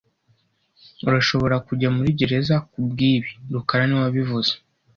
Urashobora kujya muri gereza kubwibi rukara niwe wabivuze